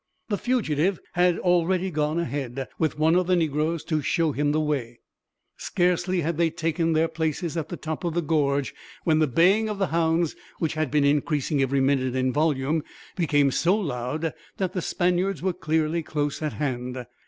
The fugitive had already gone ahead, with one of the negroes to show him the way. Scarcely had they taken their places, at the top of the gorge; when the baying of the hounds, which had been increasing every minute in volume, became so loud that the Spaniards were clearly close at hand.